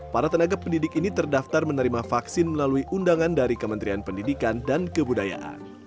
para tenaga pendidik ini terdaftar menerima vaksin melalui undangan dari kementerian pendidikan dan kebudayaan